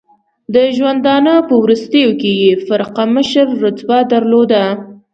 د ژوندانه په وروستیو کې یې فرقه مشر رتبه درلوده.